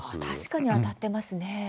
確かに当たっていますね。